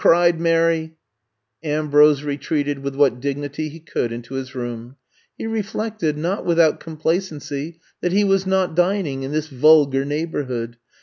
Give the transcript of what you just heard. ' cried Mary. I'VE COME TO STAY 17 Ambrose retreated with what dignity he could into his room. He reflected, not without complacency, that he was not din ing in this vulgar neighborhood.